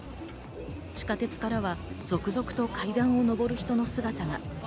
地下鉄からは続々と階段を上る人の姿が。